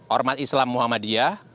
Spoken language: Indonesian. ormat islam muhammadiyah